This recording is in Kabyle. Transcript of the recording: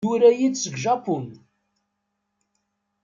Yura-iyi-d seg Japun.